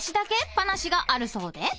話があるそうで］